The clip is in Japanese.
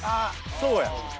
そうやん。